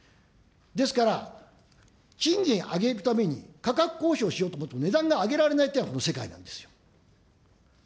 ですから、賃金上げるために価格交渉しようと思っても、値段が上げられないという世界なんですよ。